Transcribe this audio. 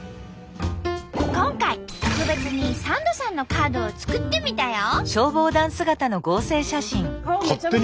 今回特別にサンドさんのカードを作ってみたよ！